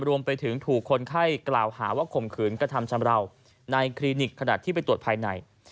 รวมไปถึงถูกคนไข้กล่าวหาว่าข่มขืนกระทำชำราวในคลินิกขณะที่ไปตรวจภายใน